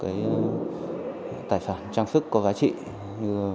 các tài sản trang sức có gái trang tài sản trang sức có gái trang